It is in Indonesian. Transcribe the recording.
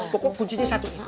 pokoknya kuncinya satu